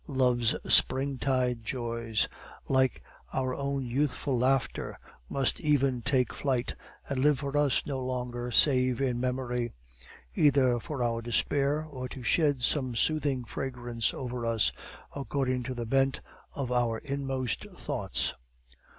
love's springtide joys, like our own youthful laughter, must even take flight, and live for us no longer save in memory; either for our despair, or to shed some soothing fragrance over us, according to the bent of our inmost thoughts.